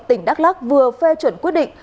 tỉnh đắk lắc vừa phê chuẩn quyết định